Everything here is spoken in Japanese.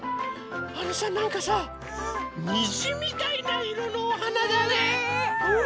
あのさなんかさにじみたいないろのおはなだね。ね！